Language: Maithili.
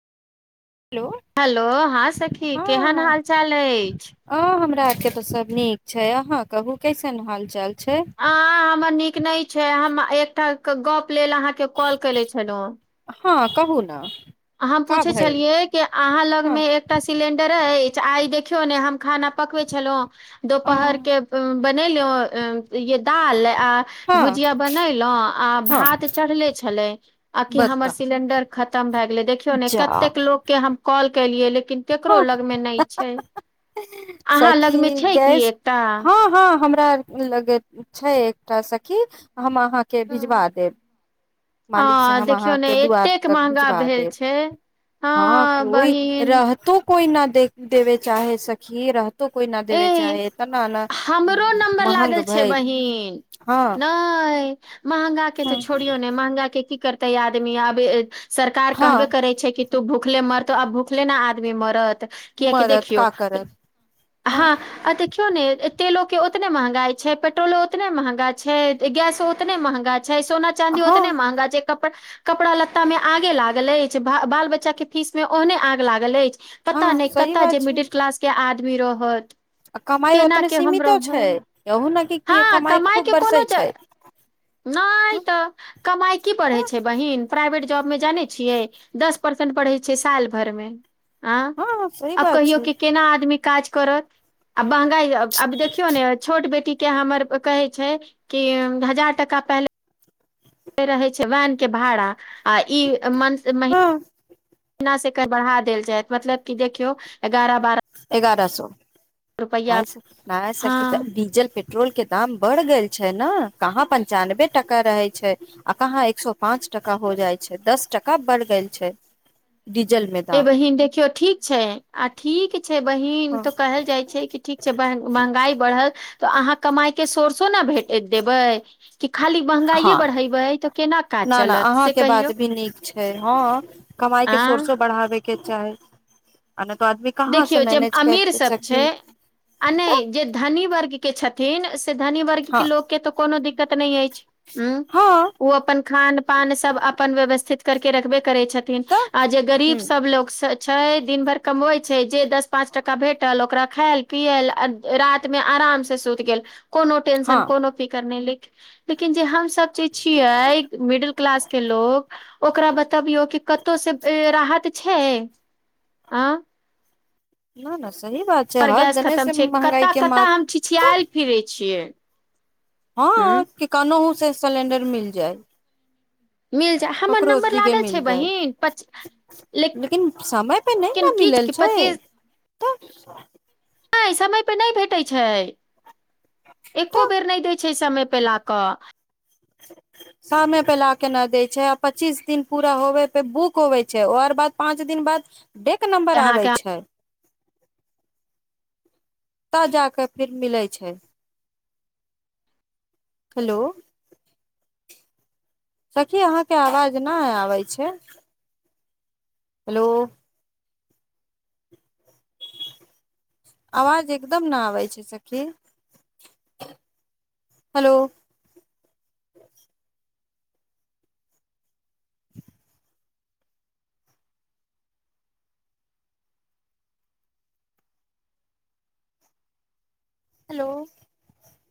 हेलो हेलो हाँ सखी केहन हँ हाल चाल अइछ अ हमरा आर के त सब नीक छै अहाँ कहू कैसन हालचाल आ हमर नीक ठीक नहि छै हम एकटा गप लेल अहाँके कॉल कैले छलहुँ हाँ कहू ना हम पूछे छलियै कि अहाँ लग हँ मे एकटा सिलेंडर अइ आइ देखियौ ने हम खाना पकबै छलहुँं अ, दोपहरके दाल [unintelligible] आ हँ भुजिया बनेलउ आ हँ भात चढ़ले छलै आ की हमर बता सिलेंडर खतम भए गेलै देखियौ ने जा कतेक लोक के हम कॉल केलियै ले लेकिन ककरो हँ लगमे नहि छै अहाा सखी लग मे छै की गैस एकटा हँ हँ हमरा लगैत छै एकटा सखी हम अहाँके भिजवा देब मालिक से हाँ हम देखियौ ने अहाँके दुआर एतेक तक महंगा भिजवा भेल देब छै हाँ बहीन कोई न दे देबे चाहे सखी रह ए हमरो नम्बर महंग लागल छै भइल बहिन हँ नहि महंगा के ह तऽ छोड़ियौ नहि महंगा के की करतयै आदमी आबे सरकार कहबे हँ करै छै कि तू भूखले मरतौ आब भुखले ने आदमी मरत कियाकि मरद देखियौ का करत हा हँ [unintelligible] देखियो ने तेलो के उतने महंगाई छै पेट्रोलो उतने महंगा छै गेसो उतने महंगा छै सोना चांदी ओतने हँ महंगा छैय कप कपड़ा लत्ता में आगे लागल अइछ बाल बच्चा के फीस में ओहने आग लागल अइछ पता हँ नहि सही कत बात जे छै मिडिल क्लास के आद बिरो भत आ कमाई ओतने सीमितो छै केहू ना की हँ कमाई कमाइ के खूब बरसै कोनो ज... छै नहि हँ तऽ कमाई की बरढ़ै छै बहिन प्राइवेट जॉब मे जानै छियै दस परसेंट पढ़ै छै साल भरमे आँ सही आब बात कहियौ छै के केना आदमी काज करत आ महंगाई अब अब देखियौ ने छोट बेटीके हमर कहै छै कि हजार का पहले रहै छै वैन के भाड़ा आ ई मन से महि हँ बिना से एकर बढ़ा देल जायत मतलब कि देखियौ एगारह बारह एगारह सौ रुपैया आय हँ [unintelligible] डीजल पेट्रोल के दाम बढ़ गेल छै ने कहाँ पंचानबे टका रहै छै आ कहाँ एक सौ पाँच टका हो जाइ छै दस टका बढ़ गेल छै डीजल मे ए दाम बहीन देखियौ ठीक छै आ ठीक छै बहिन तऽ कहल जाइ छै कि ठीक छै महंगाई बढ़ल तऽ अहाँ कमाइ के सोर्सो ने भेटय देबै कि खाली महगाये हँ बढ़ेबै तऽ केना काज न न चलत से अहाँके कहियौ कमाई के आँ सोर्सो बढ़ाबे के चाही आ नहि तो आदमी कहाँ से देखियौ जे मैनेज अमीर कर सब छै सकी आ तऽ नहि जे धनी वर्ग के छथिन धनी वर्ग के हँ लोक के तऽ कोनो दिक्कत नहि अछि हँ ओ अपन खान पान सब अपन व्यवथित करके रखबै करै छथिन आ तऽ जे ह गरीब सब लोक स छइ दिनभर कमबैत छै जे दस पाँच टाका भेटल ओकरा खायल पियेल राति मे आराम से सुति गेल कोनो टेशन हँ कोनो फिकर नहि लेक लेकिन जे हमसब सोचै छियाई मिडिल क्लास के लोक ओकरा बतबियौ कतौ से राहत छै आ न न सही बात छै पर हर गैस दने से खतम छै महंगाई कतऽ के मार कतऽ हम छिछियाल फिरे छियै हां ह कि कन हूं से सिलेंडर मिल जाय मिल जाय हमर ककरो नम्बर दिगे लागल छै मिल जाय बहिन पच लेकिन समय पे नहि ने की मिलल छै पच्चीस तऽ [inaudible] नहि समयपे नहि भेटैत छै एको तऽ बेर नहि दै छै समय पर ला कऽ समय पे ला के न दै छै आ पच्चीस दिन पूरा होबे पे बुक होवे छै ओर बाद पाँच दिन बाद एक क नम्बर आबै अहाँके छै तब जा कऽ फेर मिलै छै हेलो सखी अहाँके आवाज नहि आबै छै हेलो आवाज एकदम न आबै छै सखी हेलो [inaudible] हेलो